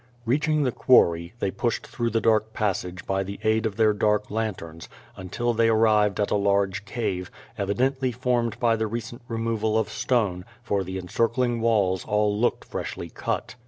Reaching the quarry, they pushed through the dark pas sage by the aid of their dark lanterns, until they arrived at a large cave, evidently formed by the recent removal of stone, for the encircling walls all looked freshly cut.